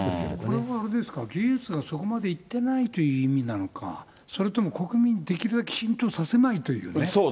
これはあれですか、技術がそこまでいってないという意味なのか、それとも国民にできるだけ浸透させないというね。